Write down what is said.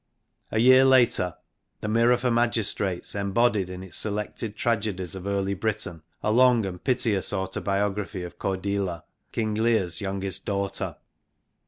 A year later the Ml!I9L~J^LM,^iit^, embodied in its selected tragedies of early Britain a long and piteous autobiography of Cordila, King Leire's youngest daughter.